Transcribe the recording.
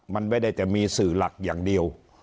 มันไม่ได้แต่มีสื่อหลักอย่างเดียว